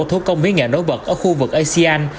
thuốc công với nghệ nối vật ở khu vực asean